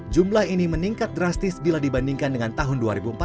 jumlah ini meningkat drastis bila dibandingkan dengan tahun dua ribu empat belas